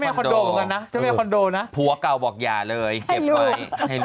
จะมีคอนโดกันนะจะมีคอนโดนะผัวเก่าบอกอย่าเลยเก็บไว้ให้ลูก